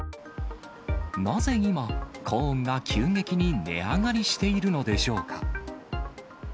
なぜ今、コーンが急激に値上がりしているのでしょうか。